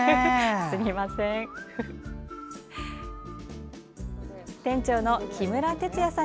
すみません。